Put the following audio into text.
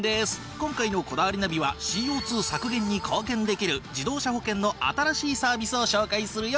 今回の『こだわりナビ』はＣＯ２削減に貢献できる自動車保険の新しいサービスを紹介するよ。